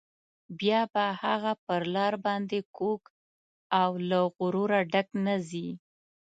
بیا به هغه پر لار باندې کوږ او له غروره ډک نه ځي.